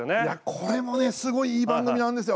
これもすごい、いい番組なんですよ。